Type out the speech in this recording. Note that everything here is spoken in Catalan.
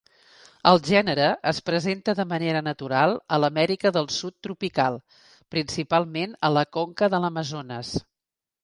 El gènere es presenta de manera natural a l'Amèrica del Sud tropical, principalment a la conca de l'Amazones.